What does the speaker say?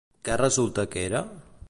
Què resulta que era?